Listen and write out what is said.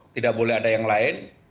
tidak boleh ada yang lain